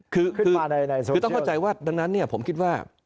คือต้องเข้าใจว่านั้นเนี่ยผมคิดว่า